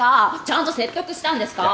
ちゃんと説得したんですか？